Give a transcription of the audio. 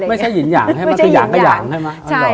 ไม่ใช่หยินหย่างใช่ไหมคือหย่างก็หย่างใช่ไหม